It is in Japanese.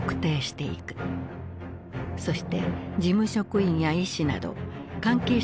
そして事務職員や医師など関係者